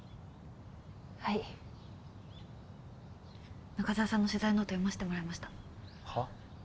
はい中沢さんの取材ノート読ませてもらいましたはっ？